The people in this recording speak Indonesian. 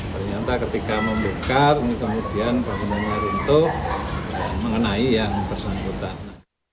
ternyata ketika membongkar kemudian panggungannya runtuh dan mengenai yang tersangkutan